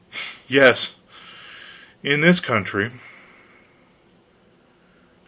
"Yes, in this country."